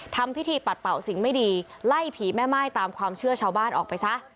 ทำพิธีปัดเป่าสิ่งไม่ดีไล่ผีแม่ม่ายตามความเชื่อชาวบ้านออกไปซะ